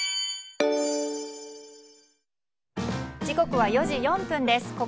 時刻は４時４分です。